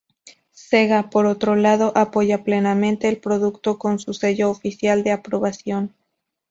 Sega, por otro lado, apoya plenamente el producto con su sello oficial de aprobación.